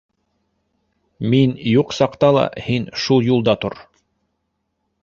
Мин юҡ саҡта ла һин шул юлда тор.